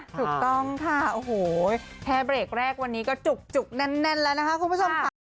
ถูกต้องค่ะโอ้โหแค่เบรกแรกวันนี้ก็จุกแน่นแล้วนะคะคุณผู้ชมค่ะ